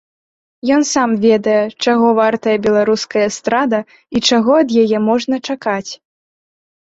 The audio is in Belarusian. Ён сам ведае, чаго вартая беларуская эстрада і чаго ад яе можна чакаць.